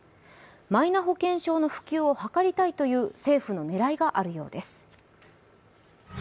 マイナ保険証の普及を図りたいという政府の狙いがあるようです。